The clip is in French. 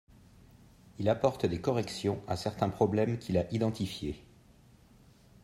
Il apporte des corrections à certains problèmes qu'il a identifiés.